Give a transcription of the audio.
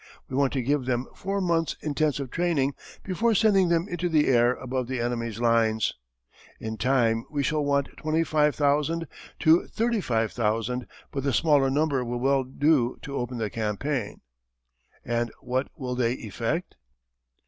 We want to give them four months' intensive training before sending them into the air above the enemy's lines. In time we shall want 25,000 to 35,000 but the smaller number will well do to open the campaign. And what will they effect?